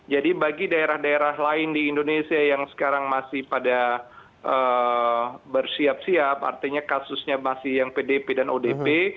jadi bagi daerah daerah lain di indonesia yang sekarang masih pada bersiap siap artinya kasusnya masih yang pdp dan odp